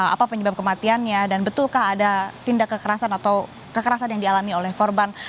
apa penyebab kematiannya dan betulkah ada tindak kekerasan atau kekerasan yang dialami oleh korban